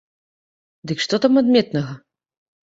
Дык што там адметнага?